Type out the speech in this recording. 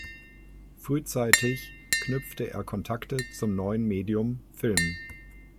Frühzeitig knüpfte er Kontakte zum neuen Medium Film.